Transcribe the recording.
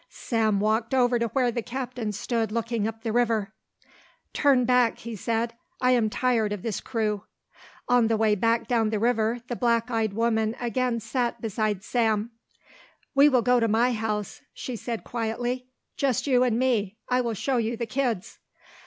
Sam walked over to where the captain stood looking up the river. "Turn back," he said, "I am tired of this crew." On the way back down the river the black eyed woman again sat beside Sam. "We will go to my house," she said quietly, "just you and me. I will show you the kids."